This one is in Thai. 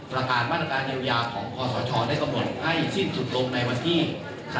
ประการมาตรการเยียวยาของกสรชได้กระบวนให้สิ้นสุดลงในวันที่๓๐มิถุนายนนะครับ